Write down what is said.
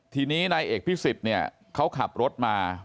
ทีนี้นายเอกพิสิทธิ์เนี่ยเขาขับรถมา